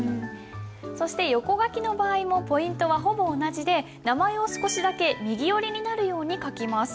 そして横書きの場合もポイントはほぼ同じで名前を少しだけ右寄りになるように書きます。